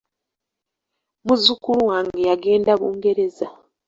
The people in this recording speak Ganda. Muzzukulu wange yagenda Bungereza.